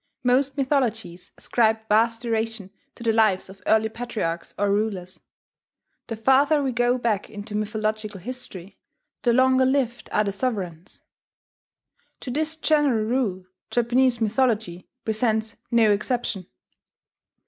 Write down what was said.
Most mythologies ascribe vast duration to the lives of early patriarchs or rulers: the farther we go back into mythological history, the longer lived are the sovereigns. To this general rule Japanese mythology presents no exception.